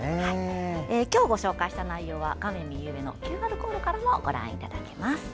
今日ご紹介した内容は画面右上のＱＲコードからもご覧いただけます。